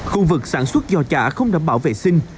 khu vực sản xuất giò chả không đảm bảo vệ sinh